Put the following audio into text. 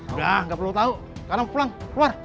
udah gak perlu tau sekarang pulang keluar